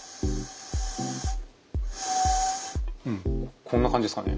うんこんな感じですかね。